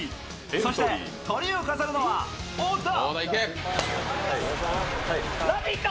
そしてトリを飾るのは、小田。